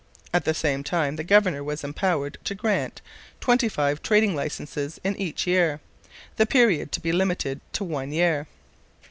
At the same time the governor was empowered to grant twenty five trading licences in each year, the period to be limited to one year.